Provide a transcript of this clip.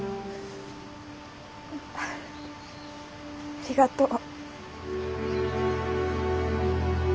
ありがとう。